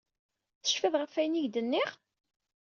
Tecfiḍ ɣef wayen i ak-d-nniɣ?